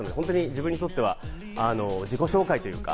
自分にとっては自己紹介というか、